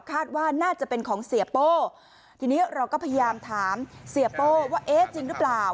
คาดว่าน่าจะเป็นของเสียโป้ทีนี้เราก็พยายามถามเสียโป้ว่าเอ๊ะจริงหรือเปล่า